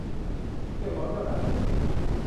เรียกร้องเจ้านาย